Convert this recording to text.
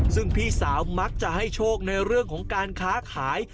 ซึ่งพี่สาวมักจะให้โชคในเรื่องของการค้าขาย